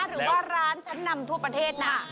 หรือว่าร้านชั้นนำทั่วประเทศนะ